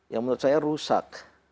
yang menurut saya rusak